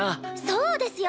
そうですよ！